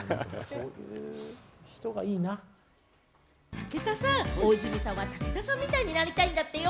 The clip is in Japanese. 武田さん、大泉さんは武田さんみたいになりたいんだってよ？